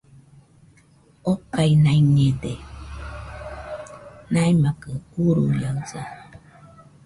okainaiñede, naimakɨ uruiaɨsa